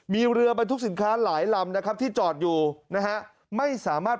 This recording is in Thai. มีเรือบรรทุกสินค้าหลายลำนะครับที่จอดอยู่นะฮะไม่สามารถ